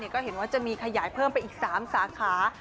ก็เห็นว่าจะมีขยายเพิ่มไปอีก๓สาขา